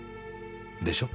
でしょ？